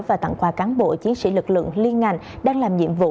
và tặng quà cán bộ chiến sĩ lực lượng liên ngành đang làm nhiệm vụ